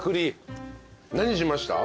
何しました？